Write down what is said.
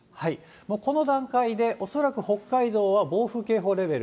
この段階で、恐らく北海道は暴風警報レベル。